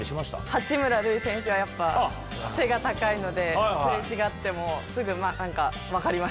八村塁選手はやっぱ背が高いので擦れ違ってもすぐ分かりました。